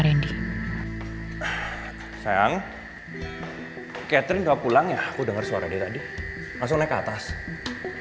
restik sayang catherine uda pulang yahoo denger suara di tadi nanya culture